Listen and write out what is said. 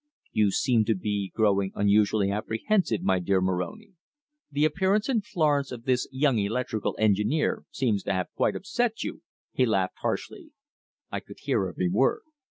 "You seem to be growing unusually apprehensive, my dear Moroni. The appearance in Florence of this young electrical engineer seems to have quite upset you!" he laughed harshly. I could hear every word.